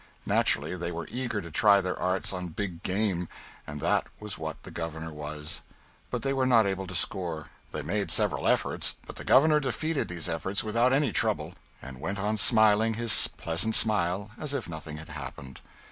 Naturally they were eager to try their arts on big game, and that was what the Governor was. But they were not able to score. They made several efforts, but the Governor defeated these efforts without any trouble and went on smiling his pleasant smile as if nothing had happened.